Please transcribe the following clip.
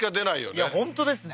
いや本当ですね